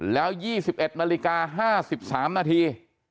แล้ว๒๑นาฬิกา๕๓นาที